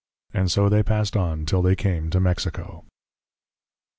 And so they passed on till they came to Mexico.'